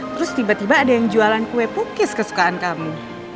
terus tiba tiba ada yang jualan kue pukis kesukaan kamu